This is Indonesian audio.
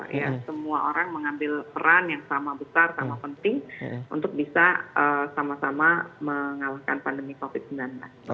ya semua orang mengambil peran yang sama besar sama penting untuk bisa sama sama mengalahkan pandemi covid sembilan belas